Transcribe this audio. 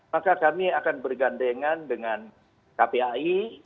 maka kami akan bergandengan dengan kpai